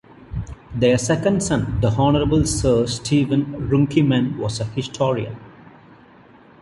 Their second son the Honourable Sir Steven Runciman was a historian.